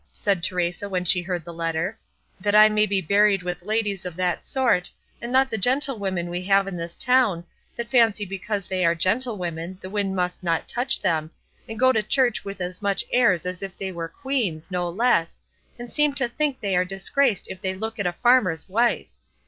said Teresa when she heard the letter; "that I may be buried with ladies of that sort, and not the gentlewomen we have in this town, that fancy because they are gentlewomen the wind must not touch them, and go to church with as much airs as if they were queens, no less, and seem to think they are disgraced if they look at a farmer's wife!